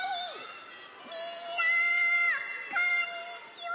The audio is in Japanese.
みんなこんにちは！